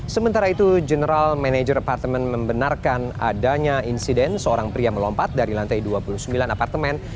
sementara itu general manager apartemen membenarkan adanya insiden seorang pria melompat dari lantai dua puluh sembilan apartemen